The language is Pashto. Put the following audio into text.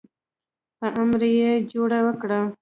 په امر یې جوړه وکړه.